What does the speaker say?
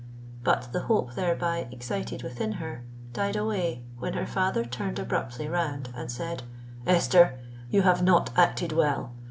But the hope thereby excited within her, died away, when her father turned abruptly round, and said, "Esther, you have not acted well.